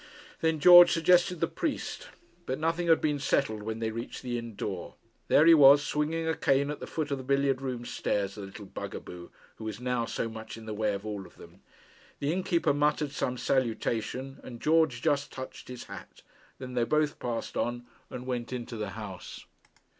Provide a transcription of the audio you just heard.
Then George suggested the priest; but nothing had been settled when they reached the inn door. There he was, swinging a cane at the foot of the billiard room stairs the little bug a boo, who was now so much in the way of all of them! The innkeeper muttered some salutation, and George just touched his hat. Then they both passed on, and went into the house.